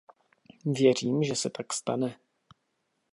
Věřím, že se tak stane.